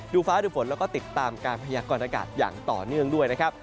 ฟ้าดูฝนแล้วก็ติดตามการพยากรณากาศอย่างต่อเนื่องด้วยนะครับ